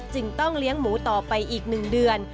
จึงต้องเลี้ยงหมูต่อไปอีก๑เดือน